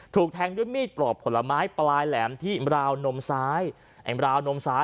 ถูกแทงด้วยมีดปลอบผลไม้ปลายแหลมที่ด่วนนมซ้าย